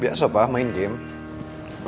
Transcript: biasa pak main game